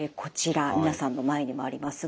皆さんの前にもありますが。